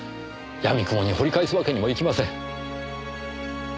やみくもに掘り返すわけにもいきません。